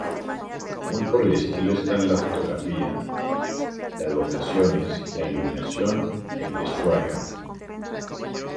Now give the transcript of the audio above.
Muy por el estilo están la fotografía, las locaciones, la iluminación, el vestuario.